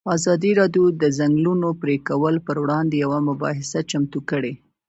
ازادي راډیو د د ځنګلونو پرېکول پر وړاندې یوه مباحثه چمتو کړې.